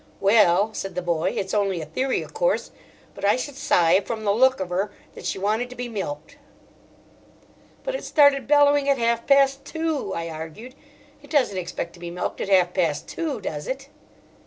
"Well," said the boy, "it's only a theory, o' course, but I should sy, from the look of 'er, that she wanted to be milked." "But it started bellowing at half past two," I argued. "It doesn't expect to be milked at half past two, does it?"